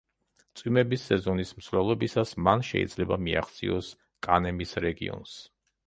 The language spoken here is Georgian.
წვიმების სეზონის მსვლელობისას, მან შეიძლება მიაღწიოს კანემის რეგიონს.